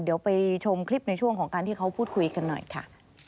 เดี๋ยวไปชมคลิปในช่วงของการที่เขาพูดคุยกันหน่อยค่ะ